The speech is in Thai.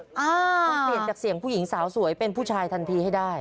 คุณเปลี่ยนจากเสียงผู้หญิงสาวสวยเป็นผู้ชายทันทีให้ได้